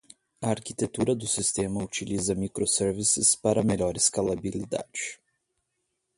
A arquitetura do sistema utiliza microservices para melhor escalabilidade.